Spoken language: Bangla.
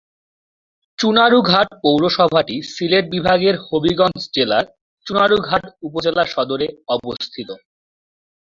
চুনারুঘাট পৌরসভাটি সিলেট বিভাগের হবিগঞ্জ জেলার চুনারুঘাট উপজেলা সদরে অবস্থিত।